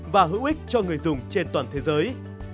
và hữu ích cho người dùng trên toàn thế giới